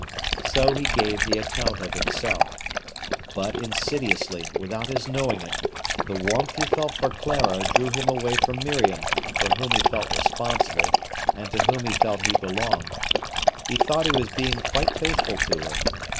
So he gave the account of himself. But insidiously, without his knowing it, the warmth he felt for Clara drew him away from Miriam, for whom he felt responsible, and to whom he felt he belonged. He thought he was being quite faithful to her.